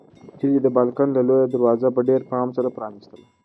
هیلې د بالکن لویه دروازه په ډېر پام سره پرانیستله.